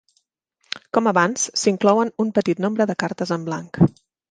Com abans, s'inclouen un petit nombre de cartes en blanc.